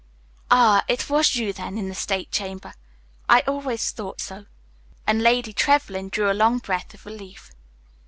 "Ah, it was you, then, in the state chamber; I always thought so," and Lady Trevlyn drew a long breath of relief.